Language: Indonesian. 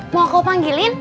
mau kau panggilin